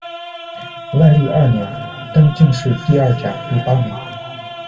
万历二年，登进士第二甲第八名。